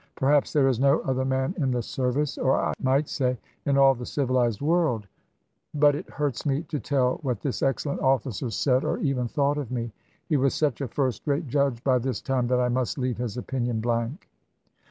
Perhaps there is no other man in the service or I might say in all the civilised world " But it hurts me to tell what this excellent officer said or even thought of me. He was such a first rate judge by this time that I must leave his opinion blank.